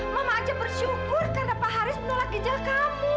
mama aja bersyukur karena pak haris menolak jejak kamu